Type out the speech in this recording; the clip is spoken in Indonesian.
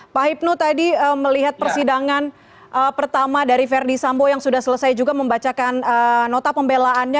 pak hipnu tadi melihat persidangan pertama dari verdi sambo yang sudah selesai juga membacakan nota pembelaannya